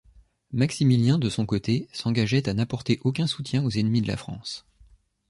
Maximilien, de son côté, s’engageait à n’apporter aucun soutien aux ennemis de la France.